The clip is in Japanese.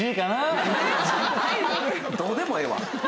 どうでもええわ。